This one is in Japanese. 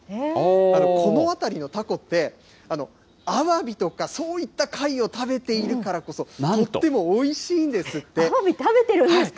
この辺りのタコって、アワビとかそういった貝を食べているからこアワビ食べてるんですか？